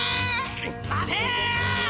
待て！